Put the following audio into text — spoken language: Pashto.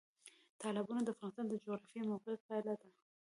تالابونه د افغانستان د جغرافیایي موقیعت پایله ده.